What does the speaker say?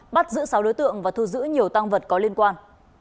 bắt giữ sáu đối tượng và thu giữ nhiều tăng vật có liên quan